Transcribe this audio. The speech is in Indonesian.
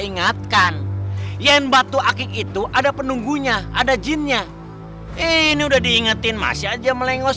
ingatkan yen batu akik itu ada penunggunya ada jinnya ini udah diingetin masih aja melengos